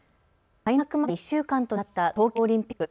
開幕まで２週間となった東京オリンピック。